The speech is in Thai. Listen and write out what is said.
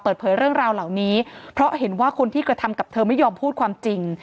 เปิดเผยเรื่องราวเหล่านี้เพราะเห็นว่าคนที่กระทำกับเธอไม่ยอมพูดความจริง